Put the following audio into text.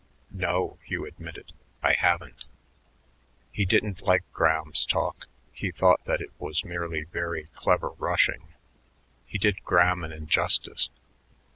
"No," Hugh admitted, "I haven't." He didn't like Graham's talk; he thought that it was merely very clever rushing. He did Graham an injustice.